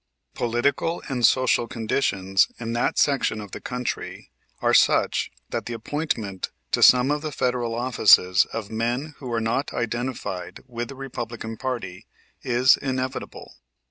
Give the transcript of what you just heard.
Political and social conditions in that section of the country are such that the appointment to some of the federal offices of men who are not identified with the Republican party is inevitable.